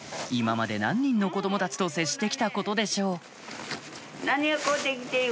今まで何人の子供たちと接して来たことでしょう